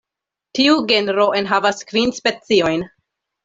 Tiu genro enhavas kvin speciojn.